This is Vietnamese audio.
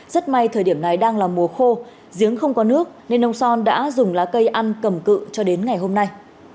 rất may thời điểm này đang là mùa khô giếng không có nước nên ông son đã dùng lá cây ăn cầm cự cho đến ngày hôm nay